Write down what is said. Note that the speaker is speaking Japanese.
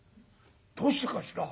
「どうしてかしら？」。